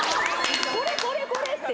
これこれこれ！って。